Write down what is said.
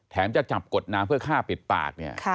จะจับกดน้ำเพื่อฆ่าปิดปากเนี่ย